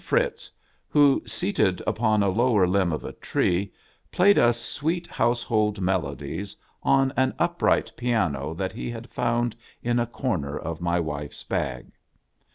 19 Fritz, who, seated upon a lower limb of a tree, played us sweet household melodies on an upright piano that he had found in a corner of my wife's bag..